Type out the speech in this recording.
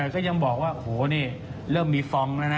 ก็ยังบอกว่าโหนี่เริ่มมีฟองแล้วนะ